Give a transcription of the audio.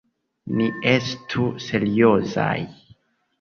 Ni estu seriozaj!